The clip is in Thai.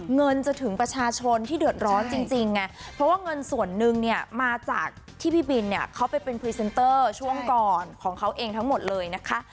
เงินจะถึงประชาชนที่เดือดร้อนจริงไงเพราะว่าเงินส่วนนึงเนี่ยมาจากที่พี่บินเนี่ยเขาไปเป็นพรีเซนเตอร์ช่วงก่อนของเขาเองทั้งหมดเลยนะคะ